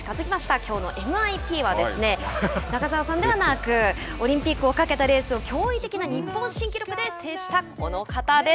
「きょうのＭＩＰ」は中澤さんではなくオリンピックを懸けたレースを驚異的な日本新記録で制したこの方です。